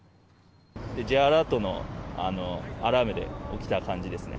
Ｊアラートのアラームで起きた感じですね。